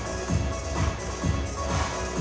ขอบคุณครับ